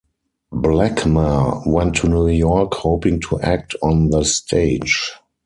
Blackmer went to New York, hoping to act on the stage.